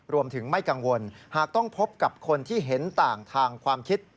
ไม่กังวลหากต้องพบกับคนที่เห็นต่างทางความคิด